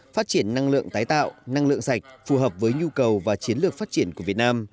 phát triển năng lượng tái tạo năng lượng sạch phù hợp với nhu cầu và chiến lược phát triển của việt nam